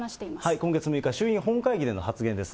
今月６日、衆議院本会議での発言です。